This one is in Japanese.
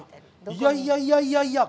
いやいやいやいや。